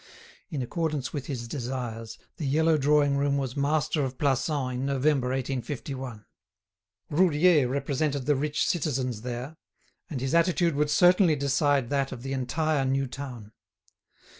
In accordance with his desires, the yellow drawing room was master of Plassans in November, 1851. Roudier represented the rich citizens there, and his attitude would certainly decide that of the entire new town.